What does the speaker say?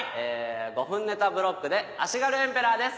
５分ネタブロックで足軽エンペラーです。